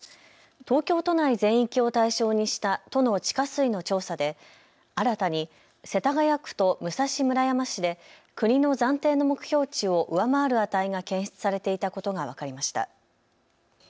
東京都内全域を対象にした都の地下水の調査で新たに世田谷区と武蔵村山市で国の暫定の目標値を上回る値が検出されていたことが分かりました。